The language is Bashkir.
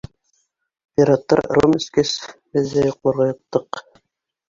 Пираттар ром эскәс, беҙ йоҡларға яттыҡ.